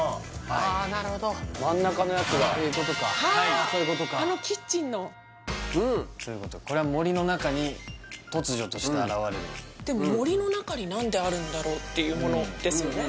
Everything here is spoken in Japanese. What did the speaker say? あなるほど真ん中のやつがああいうことかあのキッチンのうんこれは森の中に突如として現れるでも森の中に何であるんだろうっていうものですよね